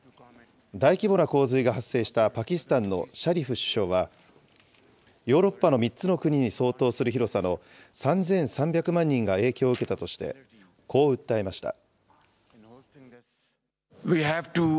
大規模な洪水が発生したパキスタンのシャリフ首相は、ヨーロッパの３つの国に相当する広さの３３００万人が影響を受けたとして、こう訴えました。